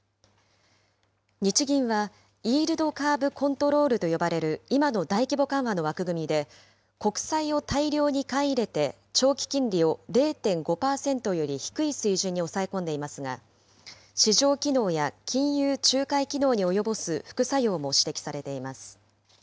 日銀は、イールドカーブ・コントロールと呼ばれる今の大規模緩和の枠組みで、国債を大量に買い入れて長期金利を０．５％より低い水準に抑え込んでいますが、市場機能や金融仲介機能に及ぼす副作用も指摘されています。